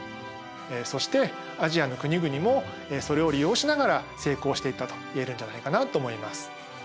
そしてアジアの国々もそれを利用しながら成功していったと言えるんじゃないかなと思います。